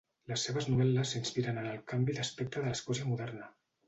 Les seves novel·les s'inspiren en el canvi d'aspecte de l'Escòcia moderna.